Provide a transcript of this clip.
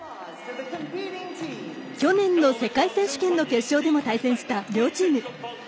去年の世界選手権の決勝でも対戦した両チーム。